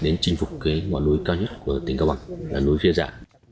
đến chinh phục cái ngọn núi cao nhất của tỉnh cao bằng là núi phía dạ